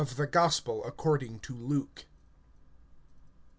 THE GOSPEL ACCORDING TO LUKE. I.